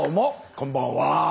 こんばんは。